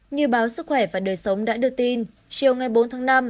như báo sức khỏe và đời sống đã đưa tin chiều ngày bốn tháng năm